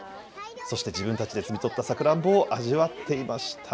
そして、自分たちで摘み取ったさくらんぼを味わっていました。